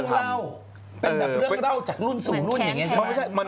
เป็นเรื่องเล่าจากรุ่นสู่รุ่นอย่างเนี่ยใช่มั้ย